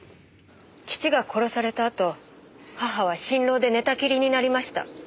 父が殺されたあと母は心労で寝たきりになりました。